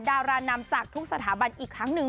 ดารานำจากทุกสถาบันอีกครั้งหนึ่ง